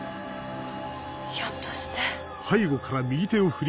ひょっとして。